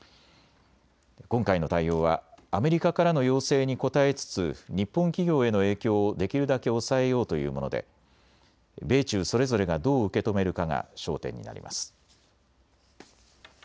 今回の対応はアメリカからの要請に応えつつ日本企業への影響をできるだけ抑えようというもので米中それぞれがどう受け止めるかが焦点になります。